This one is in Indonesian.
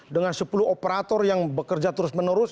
dengan sepuluh operator yang bekerja terus menerus